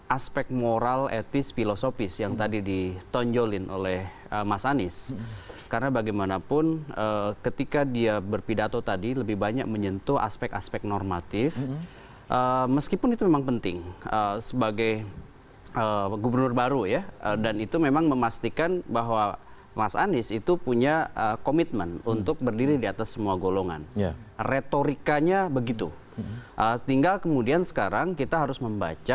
aspek moral etis filosofis yang tadi ditonjolin oleh mas anies karena bagaimanapun ketika dia berpidato tadi lebih banyak menyentuh aspek aspek normatif meskipun itu memang penting sebagai gubernur baru ya dan itu memang memastikan bahwa mas anies itu punya komitmen untuk berdiri di atas semua golongan retorikanya begitu tinggal kemudian sekarang kita harus membaca